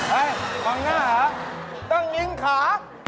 เฮ้ยฟังหน้าตั้งยิงขา